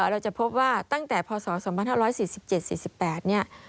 เราจะพบว่าตั้งแต่พศ๒๕๔๗๔๘เนี่ย